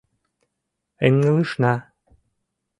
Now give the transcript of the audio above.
Ыҥылышна!..